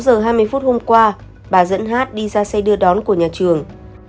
sáu giờ hai mươi phút hôm qua bà dẫn hát đi ra xe đưa đón của nhà trường